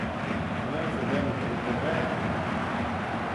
Cha nel fys aym c'red dy ghra.